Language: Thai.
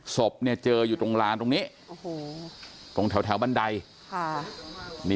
ศพเนี่ยเจออยู่ตรงลานตรงนี้ตรงแถวบันได